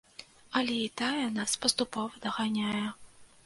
Але і тая нас паступова даганяе.